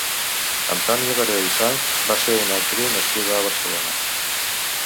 Antònia Baró i Sanz va ser una actriu nascuda a Barcelona.